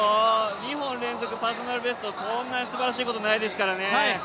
２本連続パーソナルベスト、こんなすばらしいことないですからね。